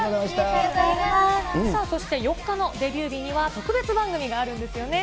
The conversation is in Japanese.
さあ、そして４日のデビュー日には特別番組があるんですよね。